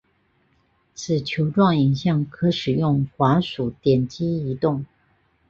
此球状影像可使用滑鼠点击移动。